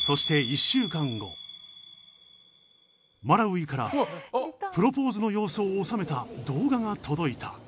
マラウイからプロポーズの様子を収めた動画が届いた。